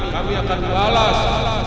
kami akan melalas